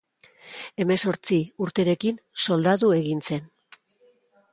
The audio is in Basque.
Hemezortzi urterekin soldadu egin zen.